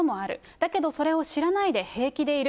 だけどそれを知らないで平気でいる。